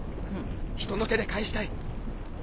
人の手で返したい。